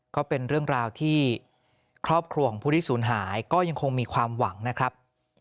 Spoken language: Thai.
ก็เป็นเรื่องราวที่ครอบครัวของผู้ที่ศูนย์หายก็ยังคงมีความหวังนะครับ